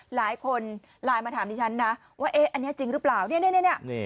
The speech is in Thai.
หลายคนไลน์มาถามดิฉันนะว่าเอ๊ะอันนี้จริงหรือเปล่าเนี่ย